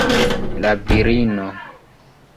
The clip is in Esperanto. La virino.